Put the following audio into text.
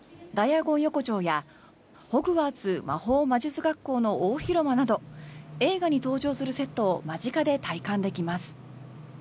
ダイアゴン横丁やホグワーツ魔法魔術学校の大広間など映画に登場するセットを間近で体感できます。